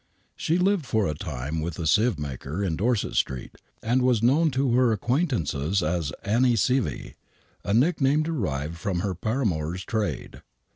She lived for a time with a sieve maker in Dorset Street, and was known to her acquaintances as " Annie Sievy," a nickname derived from her paramour's trade.